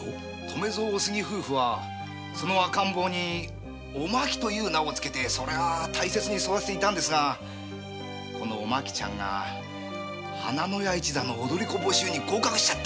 留蔵お杉夫婦はその赤ん坊にお槙という名を付けてそりゃあ大切に育てていたんですがこのお槙ちゃんが花廼屋一座の踊り子募集に合格しちゃった。